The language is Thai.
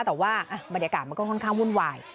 แต่ว่าบรรยากาศมันก็ค่อนข้างวุ่นวาย